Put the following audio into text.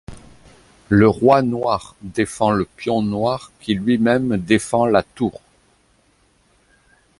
Le roi noir défend le pion noir qui lui-même défend la tour.